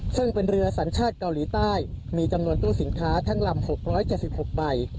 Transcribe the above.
ซึ่งเป็นเรือสัญชาติเกาหลีใต้มีจำนวนตู้สินค้าทั้งลำ๖๗๖ใบ